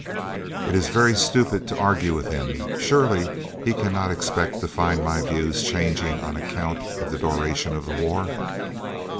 "It is very stupid to argue with him. Surely he cannot expect to find my views changing on account of the duration of the war!"